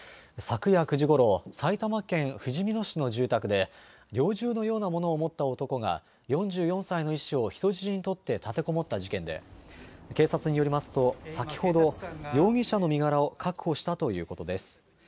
昨夜９時ごろ、埼玉県ふじみ野市の住宅で、猟銃のようなものを持った男が、４４歳の医師を人質に取って、立てこもった事件で、警察によりますと、先ほど、容疑者の身柄を確保したということです。